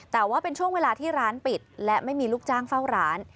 แต่ว่าเป็นช่วงเวลาที่ร้านปิดและไม่มีลูกจ้างเฝ้าร้าน